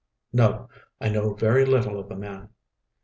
"No, I know very little of the man."